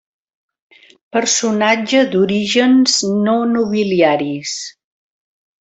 Personatge d'orígens no nobiliaris.